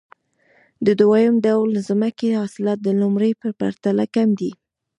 د دویم ډول ځمکې حاصلات د لومړۍ په پرتله کم دي